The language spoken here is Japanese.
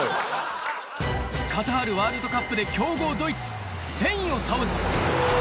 カタールワールドカップで強豪ドイツ、スペインを倒し。